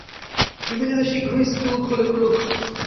নিবেদিতা শীঘ্রই স্কুল খোলে খুলুক।